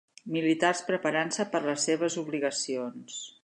Militars preparant-se per a les seves obligacions.